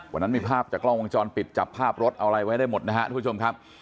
มันมีภาพจากกล้องวงจรปิดจับภาพรถเอาอะไรไว้ได้หมดนะครับทุกผู้ชมครับ